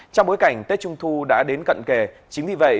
trong bối cảnh tết trung thu đã đến cận kề chính vì vậy